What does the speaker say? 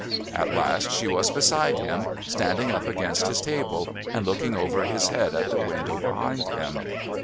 At last she was beside him, standing up against his table and looking over his head at the window behind him.